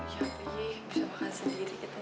ya bi bisa makan sendiri katanya